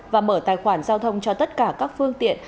và mở tài khoản giao thông cho tất cả các phương tiện